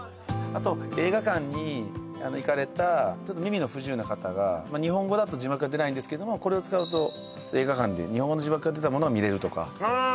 あと映画館に行かれた耳の不自由な方が日本語だと字幕は出ないんですけどもこれを使うと映画館で日本語の字幕が出たものを見れるとかああ